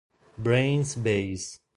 Brain's Base